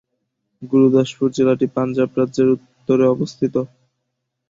গুরুদাসপুর জেলাটি পাঞ্জাব রাজ্যের উত্তরে অবস্থিত।